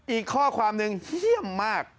อีกข้อความหนึ่งเยี่ยมมาก